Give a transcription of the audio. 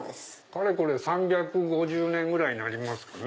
かれこれ３５０年ぐらいになりますかね。